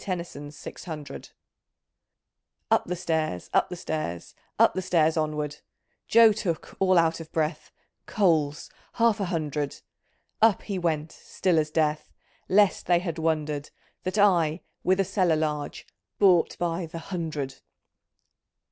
7''enny son's " Six Hundred,' Up the stairs, up the stairs, Up the stairs, onward ! Joe took, all out of breath, • Coals, half a hundred ! Up he went, still as death, Lest they had wondered That I, with a cellar large, Bought by the "Hundred